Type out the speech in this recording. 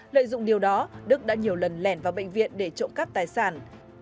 lợi dụng điều đó đức đã nhiều lần lẻn vào bệnh viện để trộm cắp tài sản